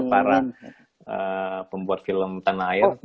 para pembuat film tanah air